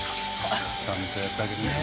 ちゃんとやってあげるんですね。